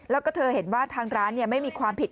แล้วก็เธอเห็นว่าทางร้านไม่มีความผิด